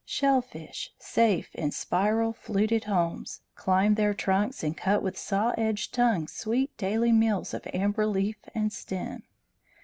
Shell fish, safe in spiral, fluted homes, climbed their trunks and cut with saw edged tongues sweet daily meals of amber leaf and stem.